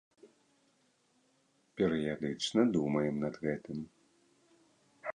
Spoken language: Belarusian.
Перыядычна думаем над гэтым.